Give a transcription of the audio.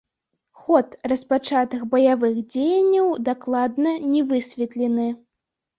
Ход распачатых баявых дзеянняў дакладна не высветлены.